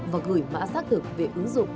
và gửi mã xác thực về ứng dụng